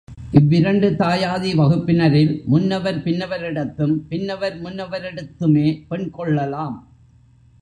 இவ்விரண்டு தாயாதி வகுப்பினரில் முன்னவர் பின்னவரிடத்தும், பின்னவர் முன்னவரிடத்துமே பெண் கொள்ளலாம்.